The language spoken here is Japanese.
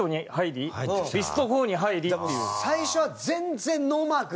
最初は全然ノーマーク。